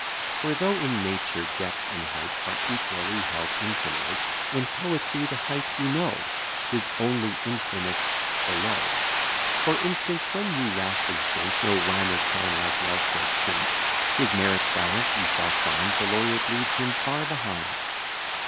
For though, in nature, depth and height Are equally held infinite: In poetry, the height we know; 'Tis only infinite below. For instance: when you rashly think, No rhymer can like Welsted sink, His merits balanced, you shall find The Laureate leaves him far behind.